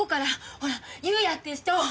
ほら裕也っていう人！